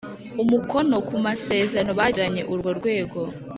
umukono ku masezerano bagiranye urwo rwego